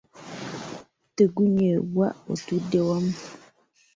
Tegunywebwa atudde wamu.